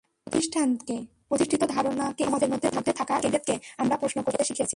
প্রতিষ্ঠানকে, প্রতিষ্ঠিত ধারণাকে, সমাজের মধ্যে থাকা বিভেদকে আমরা প্রশ্ন করতে শিখিয়েছি।